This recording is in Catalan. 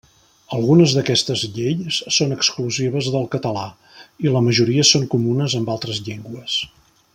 Algunes d'aquestes lleis són exclusives del català i la majoria són comunes amb altres llengües.